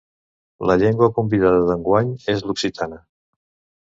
La llengua convidada d'enguany és l'occitana.